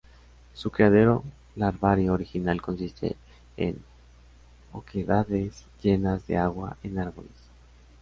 Su criadero larvario original consiste en oquedades llenas de agua en árboles.